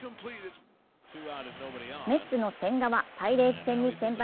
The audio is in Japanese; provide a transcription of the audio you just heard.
メッツの千賀はパイレーツ戦に先発。